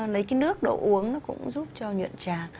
lấy cái nước đậu uống nó cũng giúp cho nhuận tràng